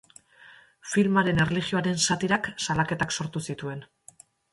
Filmaren erlijioaren satirak salaketak sortu zituen.